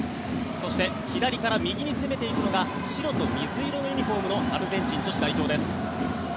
そして左から右に攻めていくのが白と水色のユニホームのアルゼンチン女子代表です。